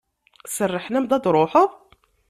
Serrḥen-am-d ad d-truḥeḍ.